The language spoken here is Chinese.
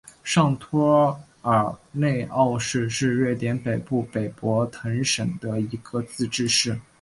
上托尔内奥市是瑞典北部北博滕省的一个自治市。